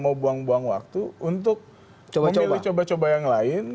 untuk memilih coba coba yang lain